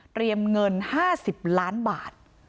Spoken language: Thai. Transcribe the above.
เตรียมเงิน๕๐ล้านบาท